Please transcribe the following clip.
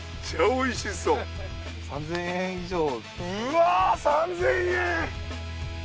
うわ３，０００円！